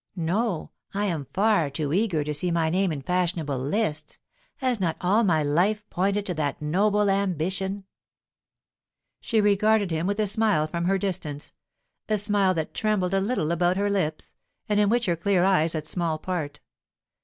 "No; I am far too eager to see my name in fashionable lists. Has not all my life pointed to that noble ambition?" She regarded him with a smile from her distance, a smile that trembled a little about her lips, and in which her clear eyes had small part.